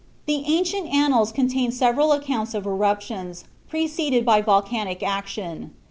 The ancient annals contain numerous accounts of eruptions, preceded by volcanic action.